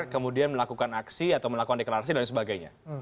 kemudian melakukan aksi atau melakukan deklarasi dan sebagainya